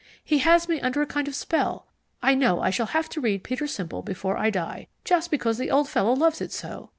He has me under a kind of spell; I know I shall have to read Peter Simple before I die, just because the old fellow loves it so.